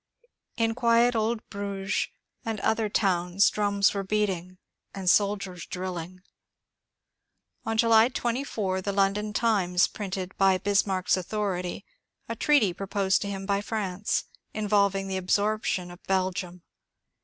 In quiet old Bruges and other towns drums were beating and soldiers drilling. On July 24 the Lion don ^' Times " printed, by Bismarck's authority, a treaty pro posed to him by France, involving the absorption of Belgium.